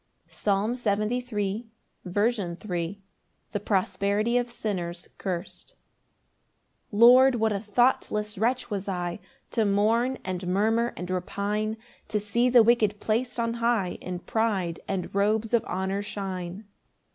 Psalm 73:3. 22 3 6 17 20. L. M. The prosperity of sinners cursed. 1 Lord, what a thoughtless wretch was I, To mourn, and murmur, and repine To see the wicked plac'd on high, In pride and robes of honour shine!